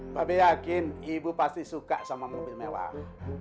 mba be yakin ibu pasti suka sama mobil mewah